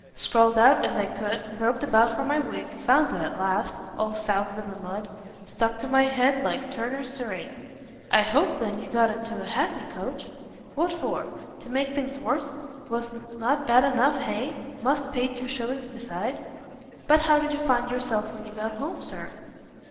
Scrawled out as I could, groped about for my wig, found it at last, all soused in the mud; stuck to my head like Turner's cerate." "I hope, then, you got into a hackney coach?" "What for? to make things worse? was not bad enough, hay? must pay two shillings beside?" "But how did you find yourself when you got home, Sir?"